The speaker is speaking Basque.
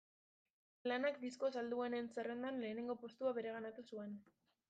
Lanak disko salduenen zerrendan lehenengo postua bereganatu zuen.